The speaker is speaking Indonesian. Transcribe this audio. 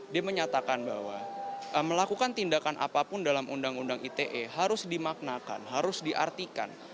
dia menyatakan bahwa melakukan tindakan apapun dalam undang undang ite harus dimaknakan harus diartikan